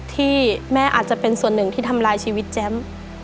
ที่แม่อาจจะเป็นส่วนหนึ่งที่ทำลายชีวิตแจ้ม